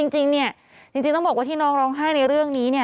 จริงเนี่ยจริงต้องบอกว่าที่น้องร้องไห้ในเรื่องนี้เนี่ย